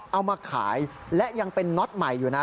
เอามาขายและยังเป็นน็อตใหม่อยู่นะ